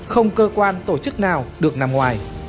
không cơ quan tổ chức nào được nằm ngoài